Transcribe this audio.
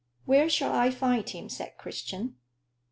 "Where shall I find him?" said Christian.